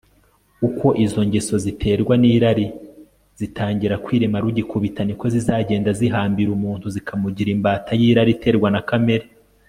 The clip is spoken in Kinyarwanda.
uko izo ngeso ziterwa n'irari zitangira kwirema rugikubita, niko zizagenda zihambira umuntu zikamugira imbata y'irari iterwa na kamere